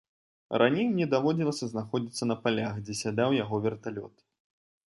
Раней мне даводзілася знаходзіцца на палях, дзе сядаў яго верталёт.